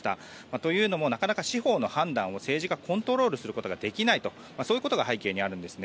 というのも司法の判断を政治がコントロールすることができないということが背景にあるんです。